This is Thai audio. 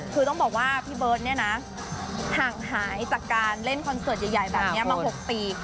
คือต้องบอกว่าพี่เบิร์ตเนี่ยนะห่างหายจากการเล่นคอนเสิร์ตใหญ่แบบนี้มา๖ปี